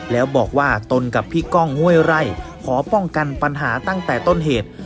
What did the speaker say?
แล้วบอกว่าตนกับพี่ก้องห้วยไร่ขอป้องกันปัญหาตั้งแต่ต้นเหตุ